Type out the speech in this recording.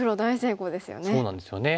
そうなんですよね。